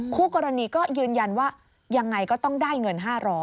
คู่กรณีก็ยืนยันว่ายังไงก็ต้องได้เงิน๕๐๐